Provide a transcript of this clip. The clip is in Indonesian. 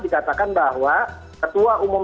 dikatakan bahwa ketua umum